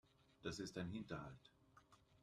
Das ist ein Hinterhalt.